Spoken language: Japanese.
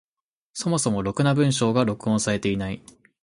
そもそもろくな文章が録音されていない。